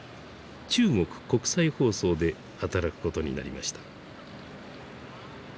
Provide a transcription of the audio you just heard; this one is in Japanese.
中国国際放送で働くことになりました。